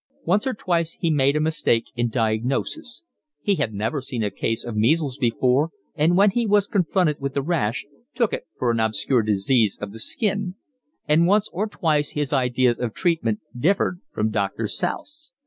Once or twice he made a mistake in diagnosis: (he had never seen a case of measles before, and when he was confronted with the rash took it for an obscure disease of the skin;) and once or twice his ideas of treatment differed from Doctor South's.